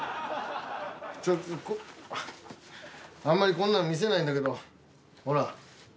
あんまりこんなの見せないんだけどほら。